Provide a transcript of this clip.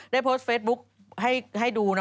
ได้โพสต์เฟซบุ๊คให้ดูนะ